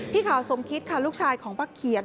พี่ขาวสมคิดค่ะลูกชายของป้าเขียน